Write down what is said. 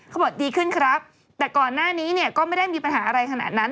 บอกดีขึ้นครับแต่ก่อนหน้านี้เนี่ยก็ไม่ได้มีปัญหาอะไรขนาดนั้น